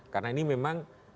karena ini memang